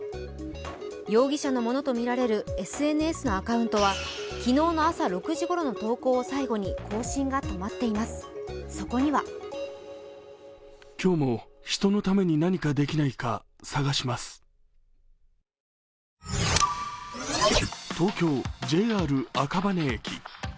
容疑者のものとみられるＳＮＳのアカウントは、昨日の朝６時ごろの投稿を最後に更新が止まっています、そこには東京・ＪＲ赤羽駅。